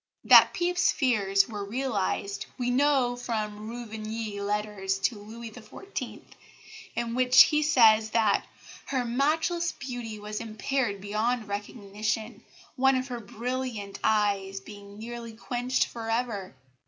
That Pepys's fears were realised we know from Ruvigny's letters to Louis XIV., in which he says that "her matchless beauty was impaired beyond recognition, one of her brilliant eyes being nearly quenched for ever."